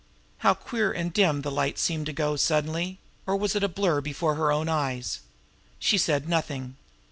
How queer and dim the light seemed to go suddenly or was it a blur before her own eyes? She said nothing.